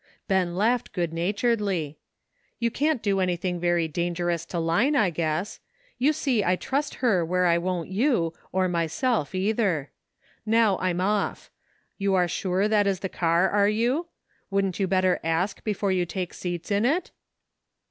Ben laughed good naturedly. "You can't do anything very dangerous to Line, I guess. You see I trust her where I won't you or myself either. Now I'm off. You are sure that is the car, are you ? Wouldn't you better ask before you take seats in it